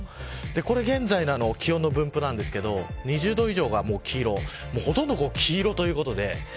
これ現在の気温の分布ですが２０度以上が黄色ほとんど黄色ということで。